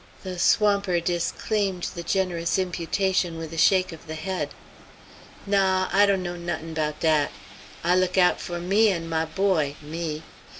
The swamper disclaimed the generous imputation with a shake of the head. "Naw, I dunno nut'n' 'bout dat. I look out for me and my boy, me.